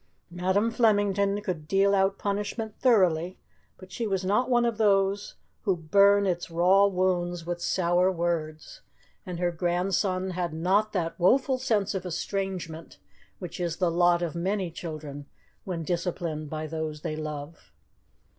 Madam Flemington could deal out punishment thoroughly, but she was not one of those who burn its raw wounds with sour words, and her grandson had not that woeful sense of estrangement which is the lot of many children when disciplined by those they love.